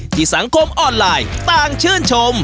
สังคมออนไลน์ต่างชื่นชม